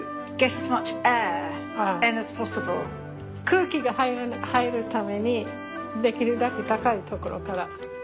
空気が入るためにできるだけ高い所から。